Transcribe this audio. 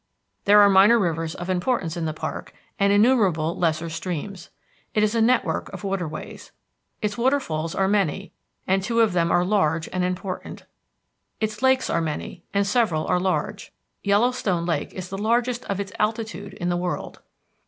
There are minor rivers of importance in the park and innumerable lesser streams. It is a network of waterways. Its waterfalls are many, and two of them are large and important. Its lakes are many, and several are large. Yellowstone Lake is the largest of its altitude in the world.